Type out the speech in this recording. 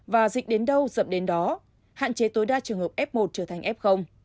và dịch đến đâu dẫn đến đó hạn chế tối đa trường hợp f một trở thành f